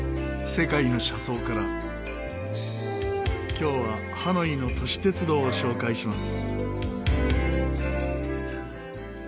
今日はハノイの都市鉄道を紹介します。